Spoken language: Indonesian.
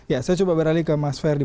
ya saya coba beralih ke mas ferdi